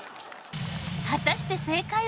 果たして正解は。